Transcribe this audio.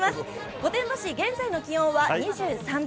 御殿場市、現在の気温は２３度。